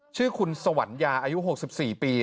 ชื่อคุณสวรรยาอายุ๖๔ปี